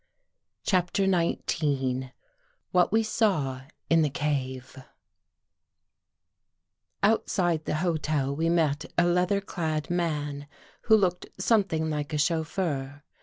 CHAPTER XIX WHAT WE SAW IN THE CAVE O UTSIDE the hotel, we met a leather clad man who looked something like a chauffeur.